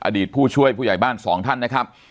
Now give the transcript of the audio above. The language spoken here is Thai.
อดีตผู้ช่วยผู้ใหญ่บ้าน๒ท่านนะครับ